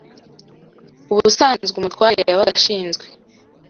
Ubusanzwe umutware yabaga ashinzwe